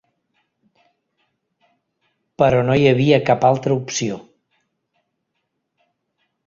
Però no hi havia cap altra opció.